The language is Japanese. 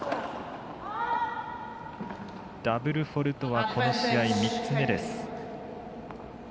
ダブルフォールトはこの試合３つ目です。